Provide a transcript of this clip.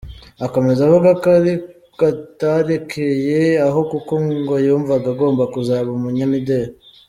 Akomeza avuga ko ariko atarekeye aho kuko, ngo yumvaga agomba kuzaba umunyamideri.